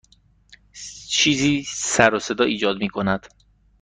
چیزی سر و صدا ایجاد می کند.